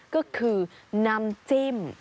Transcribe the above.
ก็คือน้ำจิ้ม